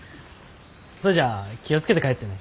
それじゃあ気を付けて帰ってね